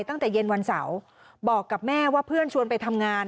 ตั้งแต่เย็นวันเสาร์บอกกับแม่ว่าเพื่อนชวนไปทำงาน